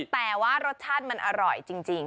แต่ว่ารสชาติมันอร่อยจริง